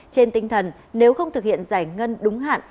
trên tinh thần nếu không thực hiện giải ngân đúng hạn